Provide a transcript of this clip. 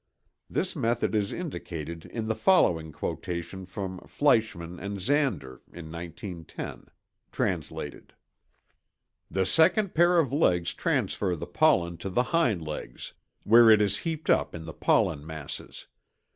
This method is indicated in the following quotation from Fleischmann and Zander (1910) (translated): The second pair of legs transfer the pollen to the hind legs, where it is heaped up in the pollen masses.